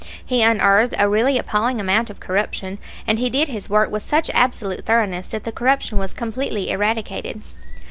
He unearthed a really appalling amount of corruption, and he did his work with such absolute thoroughness that the corruption was completely eradicated.